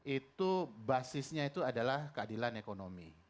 itu basisnya itu adalah keadilan ekonomi